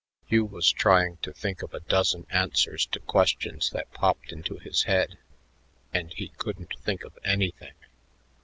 Hugh was trying to think of a dozen answers to questions that popped into his head, and he couldn't think of anything.